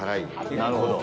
なるほど。